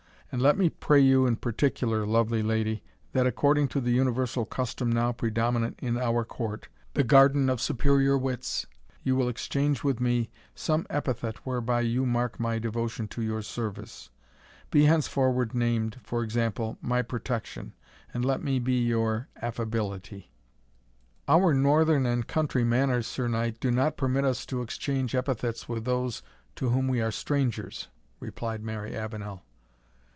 And let me pray you in particular, lovely lady, that, according to the universal custom now predominant in our court, the garden of superior wits, you will exchange with me some epithet whereby you may mark my devotion to your service. Be henceforward named, for example, my Protection, and let me be your Affability." "Our northern and country manners, Sir Knight, do not permit us to exchange epithets with those to whom we are strangers," replied Mary Avenel.